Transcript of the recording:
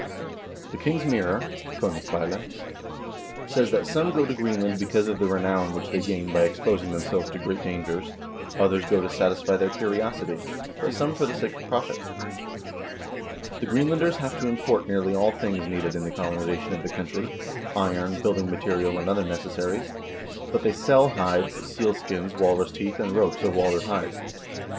"The King's Mirror" ("Kongespeilet") says that "some go to Greenland because of the renown which they gain by exposing themselves to great dangers; others go to satisfy their curiosity, but some for the sake of profit. The Greenlanders have to import nearly all things needed in the colonization of the country : iron, building material, and other necessaries; but they sell hides, seal skins, walrus teeth, and ropes of walrus hide."